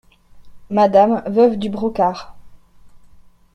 MADAME veuve DU BROCARD.